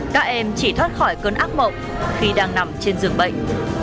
các em chỉ thoát khỏi cơn ác mộng khi đang nằm trên giường bệnh